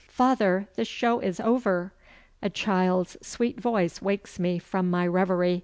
"Father, the show is over!" A child's sweet voice wakes me from my revery.